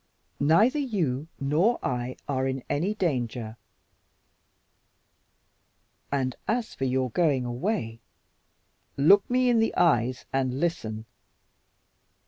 Neither you nor I are in any danger, and, as for your going away, look me in the eyes and listen."